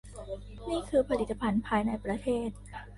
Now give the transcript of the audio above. นี่คือผลิตภัณฑ์ภายในประเทศ